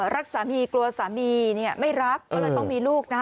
รักสามีกลัวสามีเนี่ยไม่รักก็เลยต้องมีลูกนะ